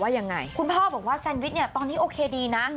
ยังไงคุณพ่อบอกว่าแซนวิชเนี่ยตอนนี้โอเคดีนะ